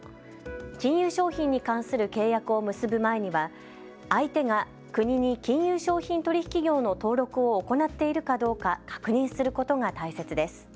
金融商品に関する契約を結ぶ前には相手が国に金融商品取引業の登録を行っているかどうか確認することが大切です。